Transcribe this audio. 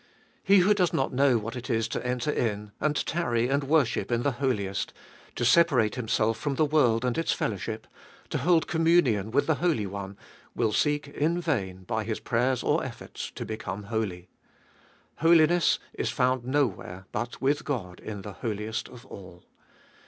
He who does not know what it is to enter in, and tarry and worship in the Holiest, to separate himself from the world and its fellowship, to hold communion with the Holy One, will seek in vain by his prayers or efforts to become holy. Holiness is found nowhere but with God in the Holiest of All.